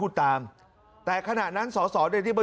คุณสิริกัญญาบอกว่า๖๔เสียง